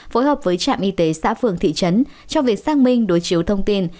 phối hợp với trạm y tế xã phường thị trấn trong việc xác minh đối chiếu thông tin